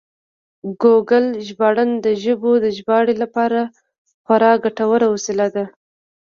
ګوګل ژباړن د ژبو د ژباړې لپاره خورا ګټور وسیله ده.